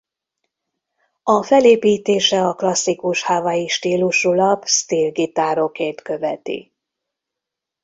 A felépítése a klasszikus hawaii stílusú lap steel gitárokét követi.